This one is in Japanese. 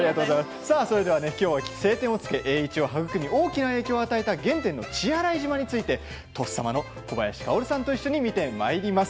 きょうは「青天を衝け」で栄一を育み大きな影響を与えた原点、血洗島についてとっさま小林薫さんと一緒に見ていきます。